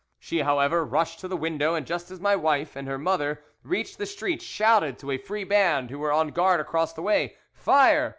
She, however, rushed to the window, and just as my wife and her mother reached the street, shouted to a free band who were on guard across the way, 'Fire!